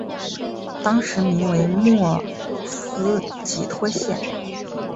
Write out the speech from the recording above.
当时名为莫斯基托县。